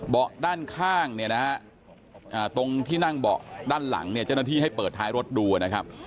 เบาะด้านข้างตรงที่นั่งเบาะด้านหลังจะนัดที่ให้เปิดท้ายรถดูนะครับ